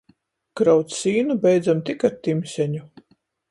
Kraut sīnu beidzam tik ar timseņu.